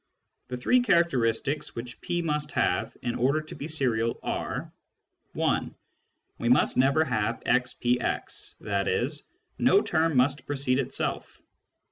The three characteristics which P must have in order to be serial are : (1) We must never have xPx, i.e. no term must precede itself.